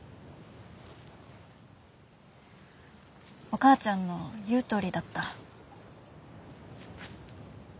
お母ちゃんの言うとおりだった。